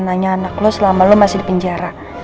nanti kalau mama udah bebas